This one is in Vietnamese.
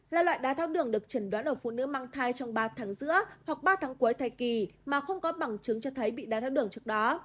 là loại đai thác đường được chẩn đoán ở phụ nữ mang thai trong ba tháng giữa hoặc ba tháng cuối thai kỳ mà không có bằng chứng cho thấy bị đai thác đường trước đó